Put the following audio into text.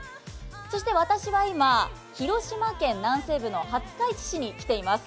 そして私は今、広島県南西部の廿日市市に来ています。